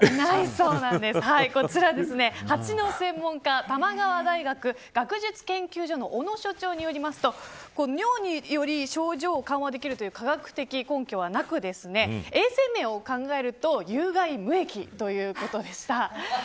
こちら、ハチの専門家玉川大学学術研究所の小野所長によりますと尿により症状を緩和できるという科学的根拠はなく衛生面を考えると有害無益ということでした。